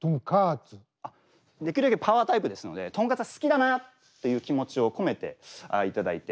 できるだけパワータイプですのでとんかつが好きだなという気持ちを込めていただいて。